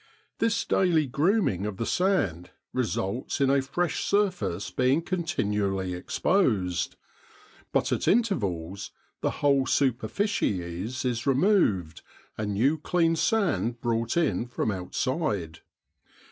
This daily grooming of the sand results in a fresh surface being continually exposed; but at intervals the whole superficies is removed, and new clean sand brought in from outside.